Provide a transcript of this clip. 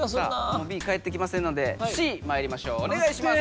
もう「Ｂ」かえってきませんので「Ｃ」まいりましょうおねがいします。